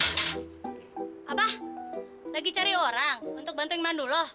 abah lagi cari orang untuk bantuin mandu loh